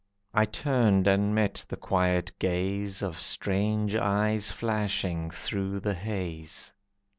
I turned and met the quiet gaze Of strange eyes flashing through the haze.